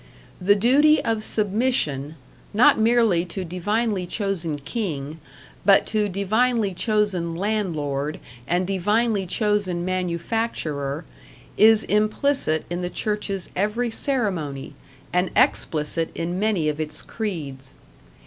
The duty of submission, not merely to divinely chosen King, but to divinely chosen Landlord and divinely chosen Manufacturer, is implicit in the church's every ceremony, and explicit in many of its creeds.